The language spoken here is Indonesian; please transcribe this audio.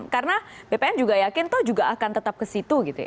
karena bpn juga yakin itu juga akan tetap ke situ